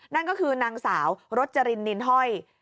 นั่นก็คือนางสาวรจรินนินห้อย